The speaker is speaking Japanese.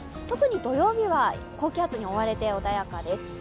特に土曜日は高気圧に覆われて、穏やかです。